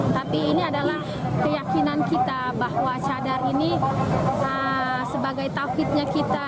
tapi ini adalah keyakinan kita bahwa cadar ini sebagai taufiknya kita